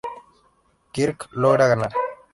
Kirk logra ganar.